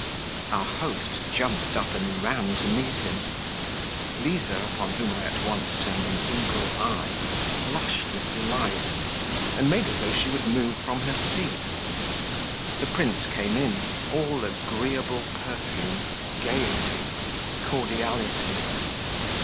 Our host jumped up and ran to meet him; Liza, upon whom I at once turned an eagle eye, flushed with delight, and made as though she would move from her seat. The prince came in, all agreeable perfume, gaiety, cordiality....